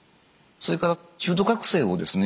それから中途覚醒をですね